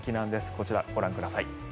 こちら、ご覧ください。